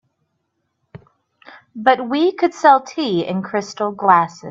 But we could sell tea in crystal glasses.